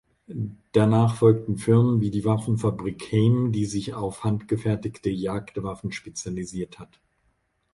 Danach folgten Firmen wie die Waffenfabrik "Heym", die sich auf handgefertigte Jagdwaffen spezialisiert hat.